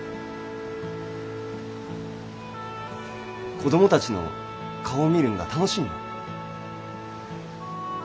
子供たちの顔を見るんが楽しいんよ。